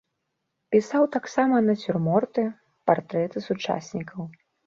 Пісаў таксама нацюрморты, партрэты сучаснікаў.